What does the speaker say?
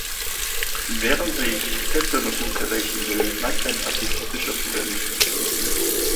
Während sich Tetsunosuke rächen will, neigt sein pazifistischer Bruder nicht dazu.